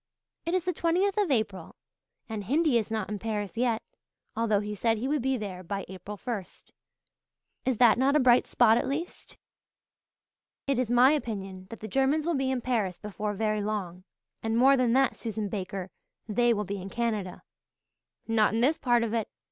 It is the twentieth of April, and Hindy is not in Paris yet, although he said he would be there by April first. Is that not a bright spot at least?" "It is my opinion that the Germans will be in Paris before very long and more than that, Susan Baker, they will be in Canada." "Not in this part of it.